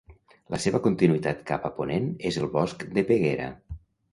La seva continuïtat cap a ponent és el Bosc de Peguera.